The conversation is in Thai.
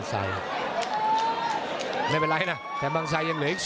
รอคะแนนจากอาจารย์สมาร์ทจันทร์คล้อยสักครู่หนึ่งนะครับ